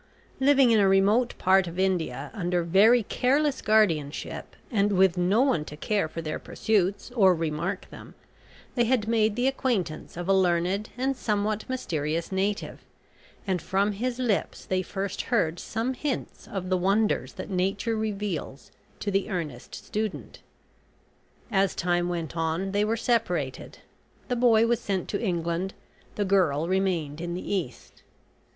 Living in a remote part of India under very careless guardianship, and with no one to care for their pursuits, or remark them, they had made the acquaintance of a learned and somewhat mysterious native, and from his lips they first heard some hints of the wonders that nature reveals to the earnest student. As time went on they were separated the boy was sent to England, the girl remained in the East.